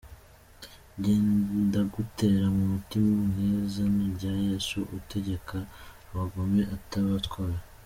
Jye, ndagutera mu mutima mw’izina rya Yesu utegeka abagome atabatwara!